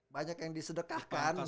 banyak yang disedekahkan